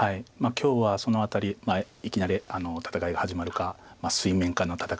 今日はそのあたりいきなり戦いが始まるか水面下の戦いになるか。